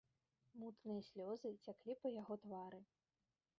Мутныя слёзы цяклі па яго твары.